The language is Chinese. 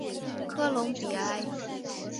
科隆比埃。